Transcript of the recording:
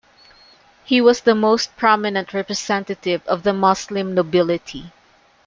He was the most prominent representative of the Muslim nobility.